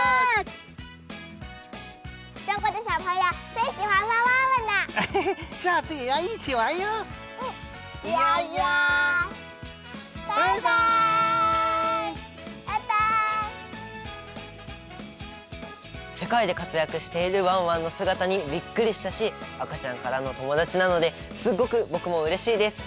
せかいでかつやくしているワンワンのすがたにびっくりしたしあかちゃんからのともだちなのですっごくぼくもうれしいです。